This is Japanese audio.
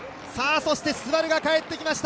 ＳＵＢＡＲＵが帰ってきました。